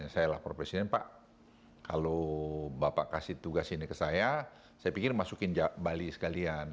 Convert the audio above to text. saya lapor presiden pak kalau bapak kasih tugas ini ke saya saya pikir masukin bali sekalian